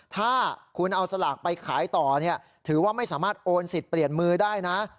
ถ้าคุณเอาสลากไปขายต่อถือว่าไม่สามารถโอนสิทธิ์เปลี่ยนมือได้นะ